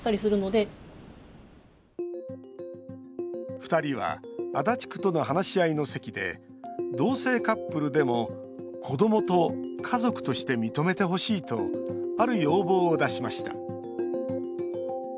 ２人は足立区との話し合いの席で同性カップルでも子どもと家族として認めてほしいとある要望を出しました。